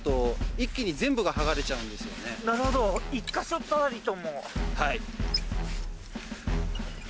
なるほど１か所たりとも。